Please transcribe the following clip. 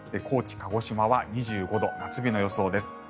高知、鹿児島は２５度夏日の予想です。